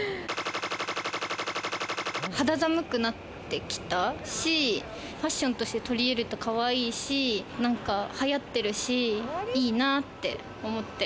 肌寒くなって来たし、ファッションとして取り入れると可愛いいし、なんか流行ってるし、いいなって思って。